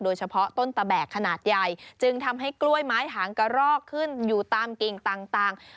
โดยเฉพาะต้นตะแบกขนาดใหญ่จึงทำให้กล้วยไม้หางกระรอกขึ้นอยู่ตามกิ่งต่าง